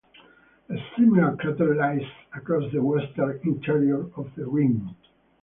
A similar crater lies across the western interior of the rim.